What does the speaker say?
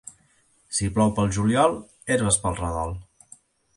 Si plou pel juliol, herbes pel redol.